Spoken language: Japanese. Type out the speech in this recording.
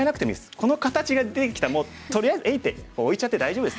この形が出てきたらもうとりあえず「えいっ！」って置いちゃって大丈夫です。